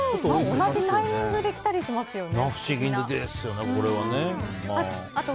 同じタイミングできたりしますよね。